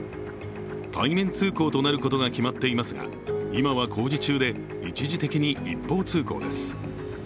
対面通行となることが決まっていますが今は工事中で、一時的に一方通行です。